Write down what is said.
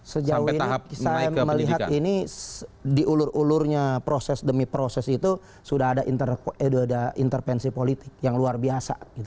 sejauh ini saya melihat ini diulur ulurnya proses demi proses itu sudah ada intervensi politik yang luar biasa